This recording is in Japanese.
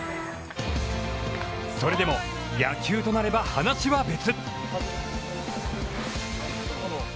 それでも野球となれば、話は別。